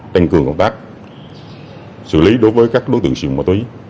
tăng cường công tác xử lý đối với các đối tượng siêu ma túy